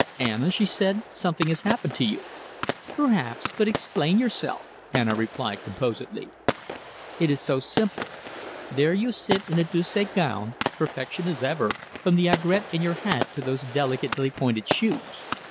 "Anna," she said, "something has happened to you." "Perhaps, but explain yourself," Anna replied composedly. "It is so simple. There you sit in a Doucet gown, perfection as ever, from the aigrette in your hat to those delicately pointed shoes.